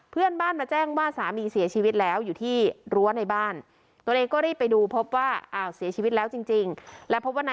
เพื่อนบ้านมาแจ้งว่าสามีเสียชีวิตแล้วอยู่ที่รั้วในบ้าน